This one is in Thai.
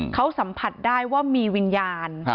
เขาสัมผัสได้ว่ามีวิญญาณ